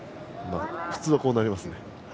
普通はこうなりますね。